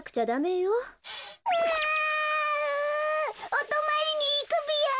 おとまりにいくぴよ！